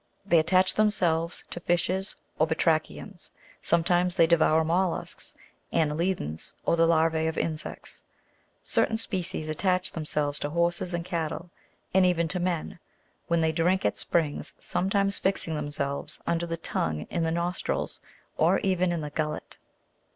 They attach themselves to fishes or batrachians ; sometimes they devour mollusks, anne'lidans, or the larvae of insects ; certain species attach themselves to horses and cattle, and even to men, when they drink at springs ; sometimes fixing themselves under the tongue, in the nostrils, or even in the gullet.